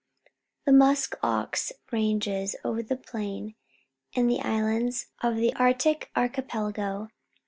The musk ox ranges over the Plain and the islands of the Arctic Archipelago.